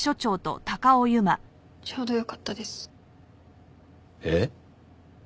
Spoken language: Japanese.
ちょうどよかったです。